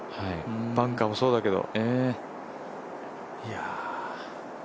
バンカーもそうだけど。